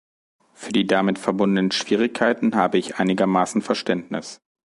Für die damit verbundenen Schwierigkeiten habe ich einigermaßen Verständnis.